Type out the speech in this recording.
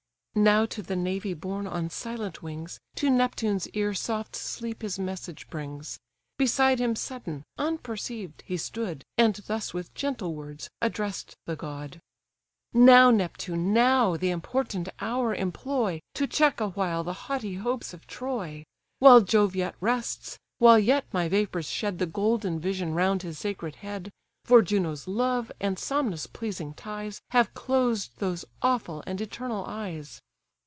Now to the navy borne on silent wings, To Neptune's ear soft Sleep his message brings; Beside him sudden, unperceived, he stood, And thus with gentle words address'd the god: "Now, Neptune! now, the important hour employ, To check a while the haughty hopes of Troy: While Jove yet rests, while yet my vapours shed The golden vision round his sacred head; For Juno's love, and Somnus' pleasing ties, Have closed those awful and eternal eyes."